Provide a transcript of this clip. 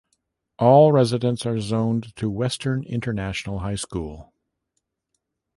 All residents are zoned to Western International High School.